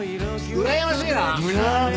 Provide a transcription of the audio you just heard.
うらやましいな。